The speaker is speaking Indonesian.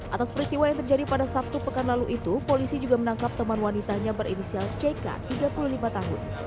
atas peristiwa yang terjadi pada sabtu pekan lalu itu polisi juga menangkap teman wanitanya berinisial ck tiga puluh lima tahun